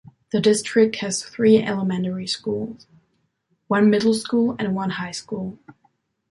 The district has three elementary schools, one middle school and one high school.